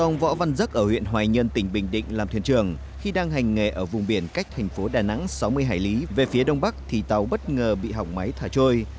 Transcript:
ông võ văn dấc ở huyện hoài nhơn tỉnh bình định làm thuyền trường khi đang hành nghề ở vùng biển cách thành phố đà nẵng sáu mươi hải lý về phía đông bắc thì tàu bất ngờ bị hỏng máy thả trôi